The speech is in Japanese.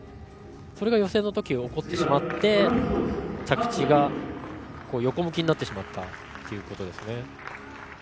それが予選のときに起こってしまって着地が横向きになってしまったということです。